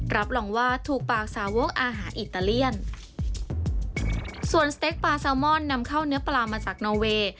รับรองว่าถูกปากสาวกอาหารอิตาเลียนส่วนสเต็กปลาแซลมอนนำเข้าเนื้อปลามาจากนอเวย์